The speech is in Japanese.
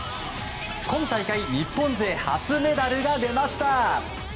今大会日本勢初メダルが出ました。